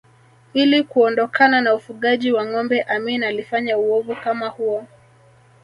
Ili kuondokana na ufugaji wa ngombe Amin alifanya uovu kama huo